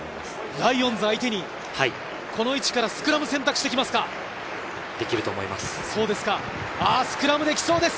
ライオンズ相手にこの位置からスクラム、選択してきますできると思います。